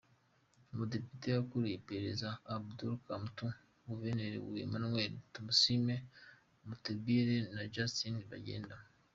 Umudepite ukuriye ipereza Abdu Kantuntu, Guverineri Emmanuel Tumissime Mutebile, na Justin Bagyenda